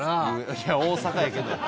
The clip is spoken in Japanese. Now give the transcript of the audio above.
いや大阪やけど。